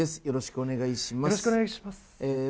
よろしくお願いします。